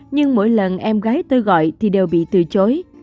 nhưng mỗi lần em gái tôi gọi thì đều bị từ chối